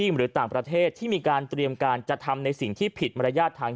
หรือต่างประเทศที่มีการเตรียมการจะทำในสิ่งที่ผิดมารยาททาง